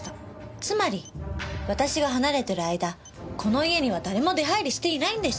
つまり私が離れてる間この家には誰も出入りしていないんです。